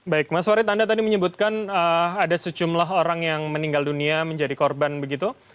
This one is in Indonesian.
baik mas warid anda tadi menyebutkan ada sejumlah orang yang meninggal dunia menjadi korban begitu